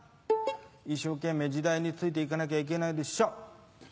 一生懸命時代について行かなきゃいけないでしょ。